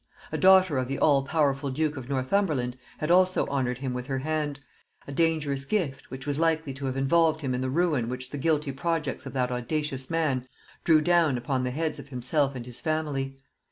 A daughter of the all powerful duke of Northumberland had also honored him with her hand, a dangerous gift, which was likely to have involved him in the ruin which the guilty projects of that audacious man drew down upon the heads of himself and his family.